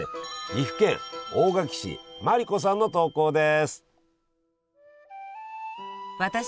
岐阜県大垣市まりこさんの投稿です。